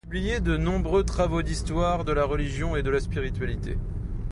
Il a publié de nombreux travaux d'histoire de la religion et de la spiritualité.